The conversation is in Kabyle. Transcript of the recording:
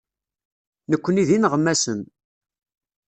Nekkni d ineɣmasen.